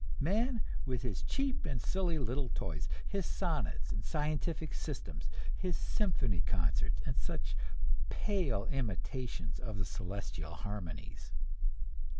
Man, with his cheap and silly little toys, his sonnets and scientific systems, his symphony concerts and such pale imitations of celestial harmonies!